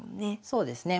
そうですね。